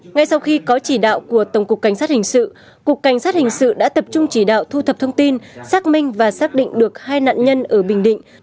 ngay sau khi có chỉ đạo của tổng cục cảnh sát hình sự cục cảnh sát hình sự đã tập trung chỉ đạo thu thập thông tin xác minh và xác định được hai nạn nhân ở bình định